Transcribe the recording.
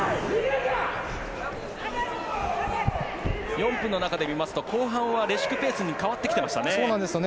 ４分の中で見ますと、後半はレシュクペースに変わってきていましたね。